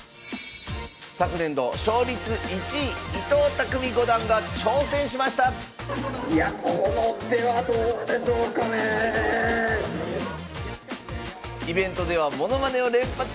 昨年度勝率１位伊藤匠五段が挑戦しましたイベントではものまねを連発する棋士も。